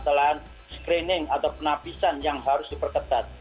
kesalahan screening atau penapisan yang harus diperketat